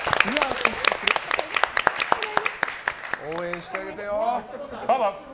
応援してあげてよ。